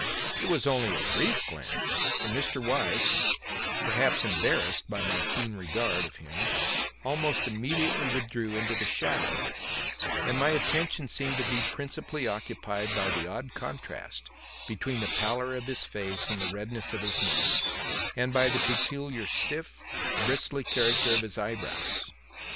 It was only a brief glance for Mr. Weiss, perhaps embarrassed by my keen regard of him, almost immediately withdrew into the shadow and my attention seemed principally to be occupied by the odd contrast between the pallor of his face and the redness of his nose and by the peculiar stiff, bristly character of his eyebrows.